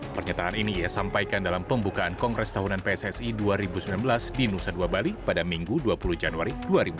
pernyataan ini ia sampaikan dalam pembukaan kongres tahunan pssi dua ribu sembilan belas di nusa dua bali pada minggu dua puluh januari dua ribu dua puluh